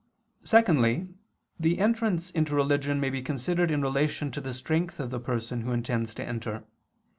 Secondly, the entrance into religion may be considered in relation to the strength of the person who intends to enter.